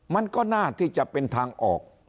มันก็น่าที่จะเป็นทางออก